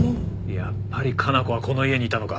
やっぱり加奈子はこの家にいたのか。